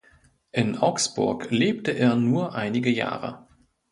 In Augsburg lebte er nur einige Jahre.